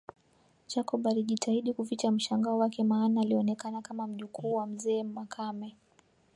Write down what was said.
Jacob alijitahidi kuficha mshangao wake maana alionekana kama mjukuu wa mzee Makame